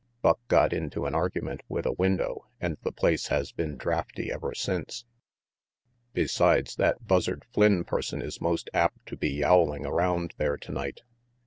Buck got into an argument with a window and the place has been draughty ever since. Besides, that Buzzard Flynn person is most apt to be yowling around there tonight."